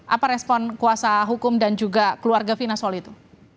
apa respon kuasa hukum dan juga keluarga fina soal itu